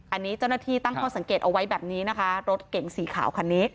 อันนี้เจ้าหน้าที่ตั้งข้อสังเกตเอาไว้แบบนี้นะคะรถเก๋งสีขาวคันนี้